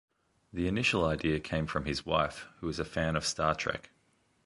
The initial idea came from his wife, who is a fan of "Star Trek".